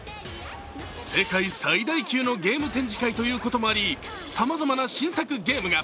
世界最大級のゲーム展示会ということもありさまざまな新作ゲームが。